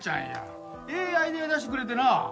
ええアイデア出してくれてな。